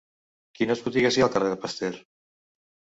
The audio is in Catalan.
Quines botigues hi ha al carrer de Pasteur?